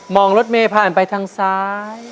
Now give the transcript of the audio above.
องรถเมย์ผ่านไปทางซ้าย